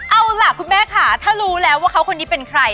เอาล่ะคุณแม่ค่ะถ้ารู้แล้วว่าเขาคนนี้เป็นใคร